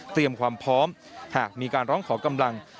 ความพร้อมหากมีการร้องขอกำลัง